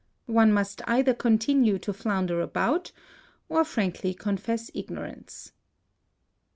One must either continue to flounder about or frankly confess ignorance.